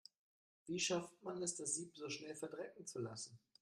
Wie schafft man es, das Sieb so schnell verdrecken zu lassen?